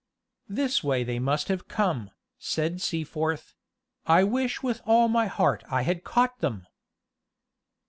"This way they must have come," said Seaforth; "I wish with all my heart I had caught them!"